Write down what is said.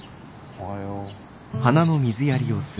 おはよう。